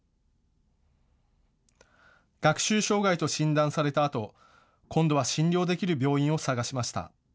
学習障害と診断されたあと今度は診療できる病院を探しました。